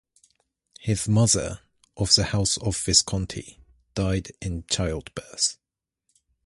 His mother, of the house of Visconti, died in childbirth.